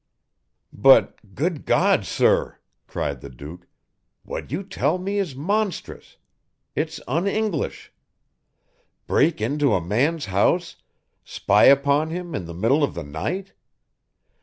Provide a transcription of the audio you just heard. "But, good God, sir," cried the Duke, "what you tell me is monstrous. It's un English. Break into a man's house, spy upon him in the middle of the night!